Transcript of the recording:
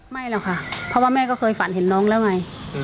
ไม่หรอกค่ะเพราะว่าแม่ก็เคยฝันเห็นน้องแล้วไง